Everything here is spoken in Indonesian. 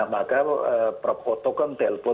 maka prof koto kan telpon